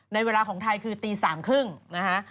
ในเวลาของไทยคือตี๓๓๐นะคะ